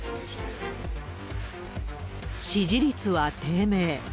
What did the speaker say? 支持率は低迷。